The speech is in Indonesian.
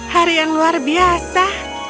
hari yang luar biasa